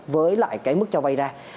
với lại cái mức cho vay ra